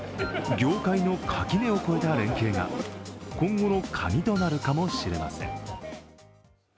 業界の垣根を越えた連携が今後のカギとなるかもしれません。